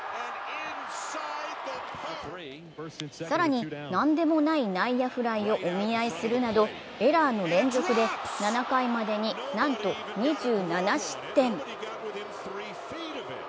更に、何でもない内野フライをお見合いするなどエラーの連続で７回までになんと２７失点。